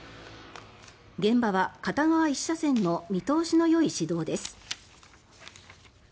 現場は片側１車線の見通しのよい市道です。